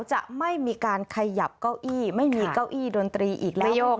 จะไม่มีการขยับเก้าอี้ไม่มีเก้าอี้ดนตรีอีกแล้วโยก